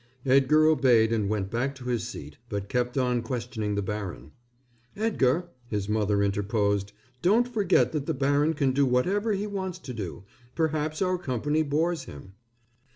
Edgar obeyed and went back to his seat, but kept on questioning the baron. "Edgar," his mother interposed, "don't forget that the baron can do whatever he wants to do. Perhaps our company bores him."